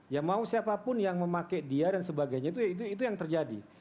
ya mau siapapun yang memakai dia dan sebagainya itu ya itu yang terjadi